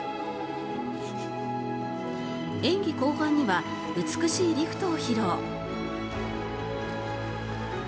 演技後半には美しいリフトを披露。